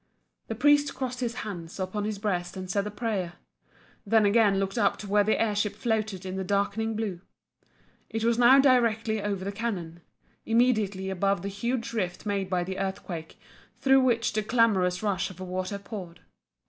The priest crossed his hands upon his breast and said a prayer then again looked up to where the air ship floated in the darkening blue. It was now directly over the canon, immediately above the huge rift made by the earthquake, through which the clamorous rush of water poured.